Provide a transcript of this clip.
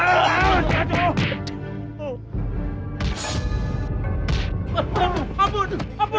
ah sekali orang berhutang pada datuk rambe